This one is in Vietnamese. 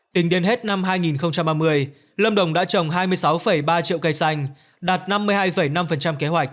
tính đến hết năm hai nghìn ba mươi lâm đồng đã trồng hai mươi sáu ba triệu cây xanh đạt năm mươi hai năm kế hoạch